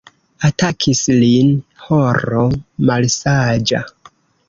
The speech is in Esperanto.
Atakis lin horo malsaĝa.